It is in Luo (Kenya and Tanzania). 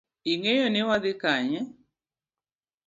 Ing’eyoni wadhi Kanye?